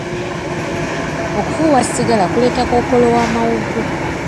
Okufuuwa sigala kuleeta kookolo w'amawuggwe.